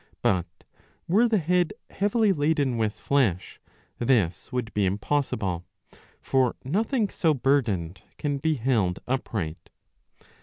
But, were the head heavily laden with flesh, this would be impossible ; for nothing so burdened can be held upright.